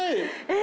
え？